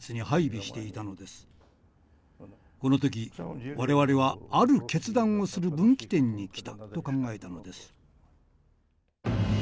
この時我々はある決断をする分岐点に来たと考えたのです。